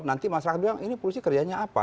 nanti masyarakat bilang ini polisi kerjanya apa